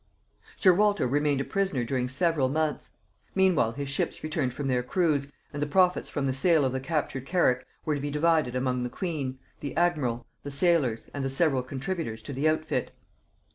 Sir Walter remained a prisoner during several months. Meanwhile his ships returned from their cruise, and the profits from the sale of the captured carrack were to be divided among the queen, the admiral, the sailors, and the several contributors to the outfit.